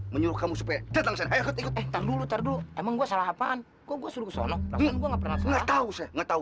menurut kamu supaya terdengar ayo ikut ikut emang gua salah apaan gua suruh